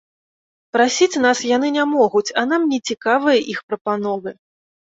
Прасіць нас яны не могуць, а нам нецікавыя іх прапановы.